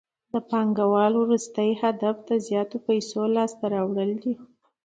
د پانګوال وروستی هدف د زیاتو پیسو لاسته راوړل دي